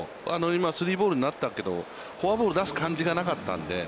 今スリーボールになったけど、フォアボールを出す感じがなかったので。